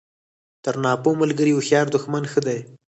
تر ناپوه ملګري هوښیار دوښمن ښه دئ!